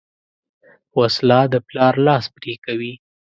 وسله د پلار لاس پرې کوي